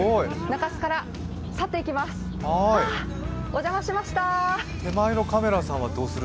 中州から去っていきます。